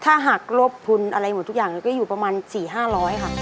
ถ้าหักลบทุนอะไรหมดทุกอย่างก็อยู่ประมาณ๔๕๐๐ค่ะ